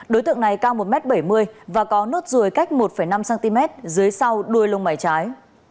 đối tượng này cao một m bảy mươi và có nốt ruồi cách một năm cm dưới sau đuôi lông mảy trái